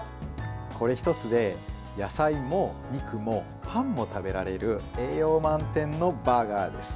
これ１つで野菜も、肉もパンも食べられる栄養満点のバーガーです。